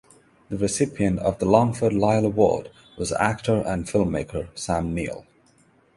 The recipient of the Longford Lyell Award was actor and filmmaker Sam Neill